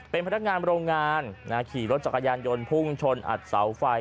เป็นพนักงานโรงงานขี่รถจักรยานยนต์พุ่งชนอัดเสาไฟ